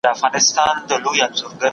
د ډوډۍ پر مهال خبرې مه کوئ.